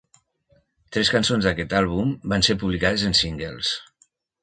Tres cançons d'aquest àlbum van ser publicades en singles.